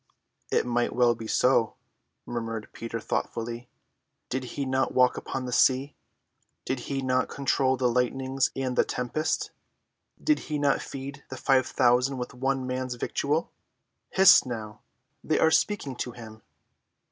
"It might well be so," murmured Peter thoughtfully. "Did he not walk upon the sea? Did he not control the lightnings and the tempest? Did he not feed the five thousand with one man's victual? Hist now, they are speaking to him!"